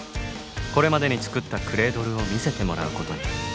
これまでに作ったクレードルを見せてもらうことに。